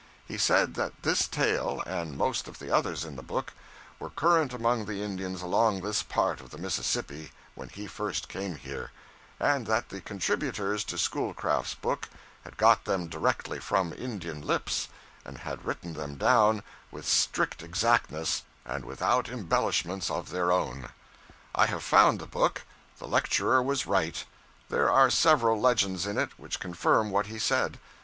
He said that this tale, and most of the others in the book, were current among the Indians along this part of the Mississippi when he first came here; and that the contributors to Schoolcraft's book had got them directly from Indian lips, and had written them down with strict exactness, and without embellishments of their own. I have found the book. The lecturer was right. There are several legends in it which confirm what he said.